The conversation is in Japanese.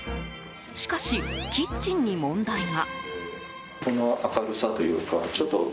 しかし、キッチンに問題が。